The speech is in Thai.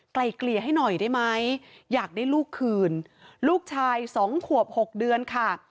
ไกลเกลี่ยให้หน่อยได้ไหมอยากได้ลูกคืนลูกชายสองขวบหกเดือนค่ะ